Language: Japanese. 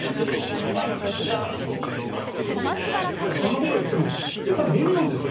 そんなこと言ってもやっぱり便利なんですよ。